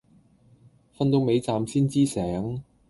瞓到尾站先知醒